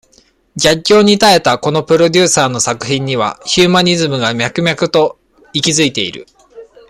逆境に耐えたこのプロデューサーの作品には、ヒューマニズムが、脈々と息ずいている。